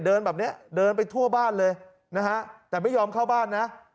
เดินแบบเนี้ยเดินไปทั่วบ้านเลยนะฮะแต่ไม่ยอมเข้าบ้านนะ